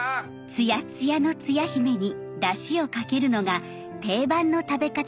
ツヤッツヤのつや姫にだしをかけるのが定番の食べ方です。